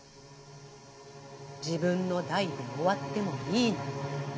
自分の代で終わってもいいなんて